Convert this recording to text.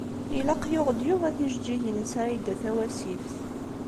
Ilaq yuɣ-d Yuba tijeǧǧigin i Saɛida Tawasift.